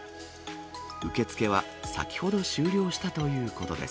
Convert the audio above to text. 受け付けは先ほど終了したということです。